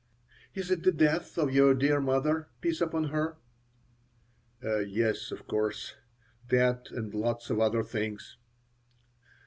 "Is it the death of your dear mother peace upon her?" "Yes, of course. That and lots of other things."